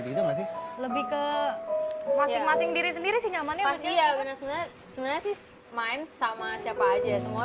masih lebih ke masing masing diri sendiri nyamannya pasti sebenarnya sih main sama siapa aja semua